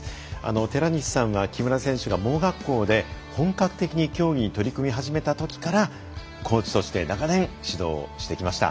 寺西さんは、木村選手が盲学校で本格的に競技に取り組み始めたときからコーチとして長年指導をしてきました。